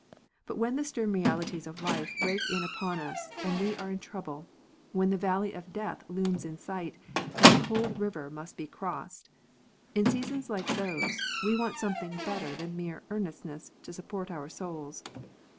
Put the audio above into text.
But when the stern realities of life break in upon us, and we are in trouble, when the valley of death looms in sight, and the cold river must be crossed, in seasons like those, we want something better than mere " earnestness " to support our souls.